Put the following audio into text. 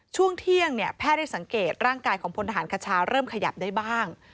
ช่วงเที่ยงแพทย์ได้สังเกตร่างกายของพลทหารคชาเริ่มขยับได้บ้าง